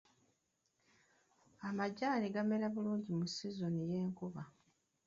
Amajaani gamera bulungi mu sizoni y'enkuba.